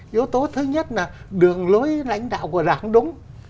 yếu tố thứ nhất là đường lối lãnh đạo của đảng đúng